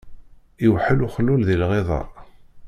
Iwḥel uxlul di lɣiḍa.